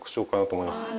思います。